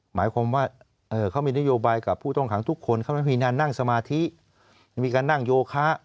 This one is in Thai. หมายความว่าเขามีนโยบายกับผู้ต้องขังทุกคนเขาไม่มีงานนั่งสมาธิมีการนั่งโยคะ